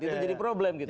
itu jadi problem gitu